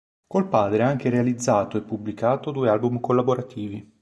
Col padre ha anche realizzato e pubblicato due album collaborativi.